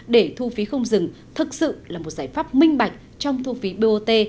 để thu phí không dừng thực sự là một giải pháp minh bạch trong thu phí bot